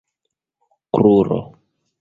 kruro